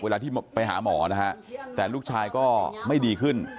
เวลาที่ไปหาหมอนะฮะแต่ลูกชายก็ไม่ดีขึ้น